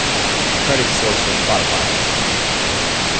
Credits sourced from Spotify.